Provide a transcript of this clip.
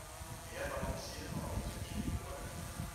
Wer balanciert da auf dem Schwebebalken?